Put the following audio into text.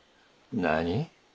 何？